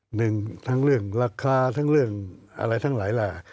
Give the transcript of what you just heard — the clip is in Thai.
หนึ่งทั้งเรื่องราคาทั้งเรื่องอะไรทั้งหลายแหละ